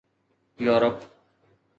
Europe